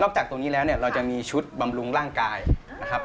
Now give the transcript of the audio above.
จากตรงนี้แล้วเนี่ยเราจะมีชุดบำรุงร่างกายนะครับ